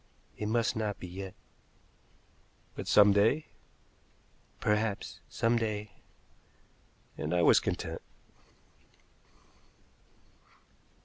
"It must not be yet." "But some day?" "Perhaps some day." And I was content.